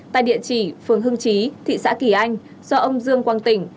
tại địa chỉ phường hưng trí thị xã kỳ anh do ông dương quang tỉnh